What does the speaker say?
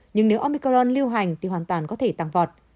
nhưng nếu omicaron lưu hành thì hoàn toàn có thể tăng vọt